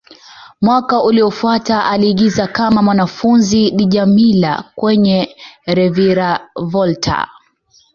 Mwaka uliofuata, aliigiza kama mwanafunzi Djamila kwenye "Reviravolta".